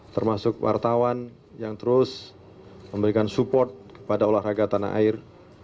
termasuk wartawan yang terus memberikan support kepada olahraga tanah air